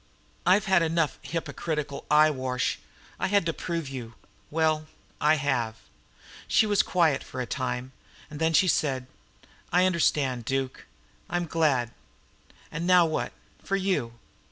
I've had enough hypocritical eyewash. I had to prove you. Well, I have." She was quiet for some time. Then she said, "I understand, Duke. I'm glad. And now what, for you?"